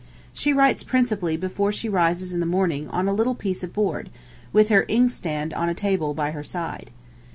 She writes principally before she rises in the morning on a little piece of board, with her inkstand on a table by her side.